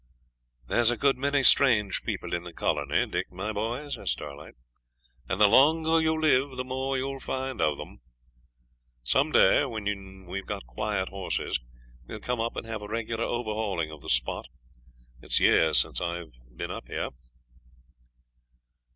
'There's a good many strange people in the colony, Dick, my boy,' says Starlight, 'and the longer you live the more you'll find of them. Some day, when we've got quiet horses, we'll come up and have a regular overhauling of the spot. It's years since I've been there.'